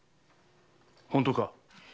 本当か？